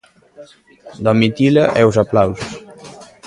Domitila e os aplausos.